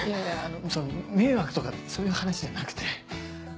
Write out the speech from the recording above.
その迷惑とかそういう話じゃなくて。